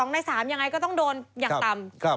ใน๓ยังไงก็ต้องโดนอย่างต่ำ